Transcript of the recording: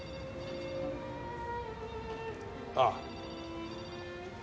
ああ。